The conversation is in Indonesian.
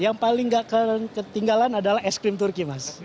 yang paling gak ketinggalan adalah es krim turki mas